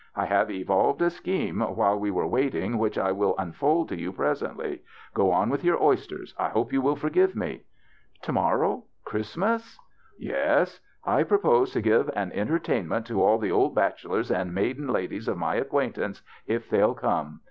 I have evolved a scheme while we were waiting, which I will unfold to you pres ently. Go on with your oysters. I hope you will forgive me." " To morrow, Christmas? "" Yes. I propose to give an entertainment to all the old bachelors and maiden ladies of my acquaintance, if they'll come.